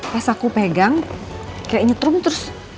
pas aku pegang kayak nyetrum terus